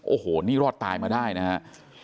โอ้โหนี่รอดตายมาได้นะฮะ